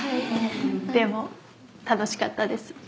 でも楽しかったです。